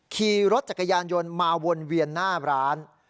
ขี่รถจักรยานยนต์มาวนเวียนหน้าร้าน